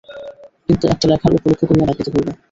কিন্তু একটা লেখার উপলক্ষ করিয়া ডাকিতে হইবে।